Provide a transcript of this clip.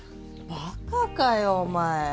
バカかよお前